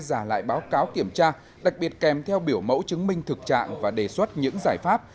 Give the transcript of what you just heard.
giả lại báo cáo kiểm tra đặc biệt kèm theo biểu mẫu chứng minh thực trạng và đề xuất những giải pháp